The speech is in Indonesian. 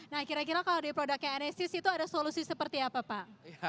nah kira kira kalau di produknya enesis itu ada solusi seperti apa pak